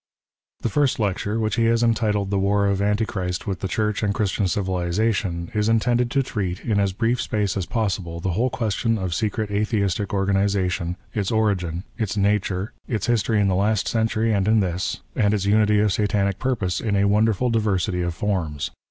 \ PREFACE. xi The first lecture, which he has entitled the war of Antichrist wdth the Church and Christian Civilization, is intended to treat, in as brief space as possible, the whole question of Secret, Atheistic Organization, its origin, its nature, its history in the last century and in this, and its unity of satanic purpose in a wonderful diversity of forms.